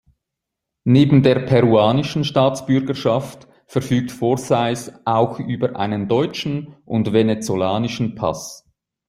Neben der peruanischen Staatsbürgerschaft verfügt Forsyth auch über einen deutschen und venezolanischen Pass.